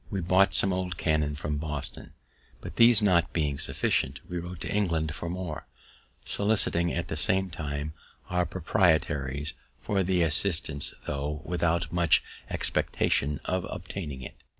We bought some old cannon from Boston, but, these not being sufficient, we wrote to England for more, soliciting, at the same time, our proprietaries for some assistance, tho' without much expectation of obtaining it.